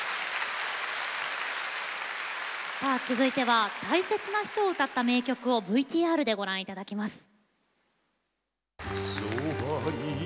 さあ続いては大切な人を歌った名曲をＶＴＲでご覧頂きます。